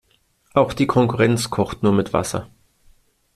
Auch die Konkurrenz kocht nur mit Wasser.